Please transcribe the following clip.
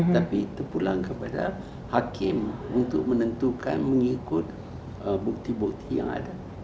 tapi itu pulang kepada hakim untuk menentukan mengikut bukti bukti yang ada